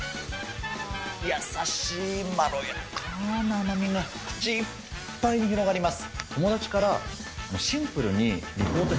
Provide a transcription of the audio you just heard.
優しいまろやかな甘みが、口いっぱいに広がります。